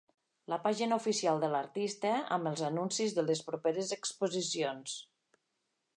La pàgina oficial de l'artista, amb els anuncis de les properes exposicions.